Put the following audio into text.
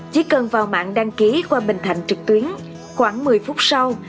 chỉ cần vào mạng đăng ký qua bình thạnh trực tuyến khoảng một mươi phút sau